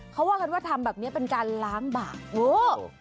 เขาว่ากันว่าทำแบบนี้เป็นการล้างบาป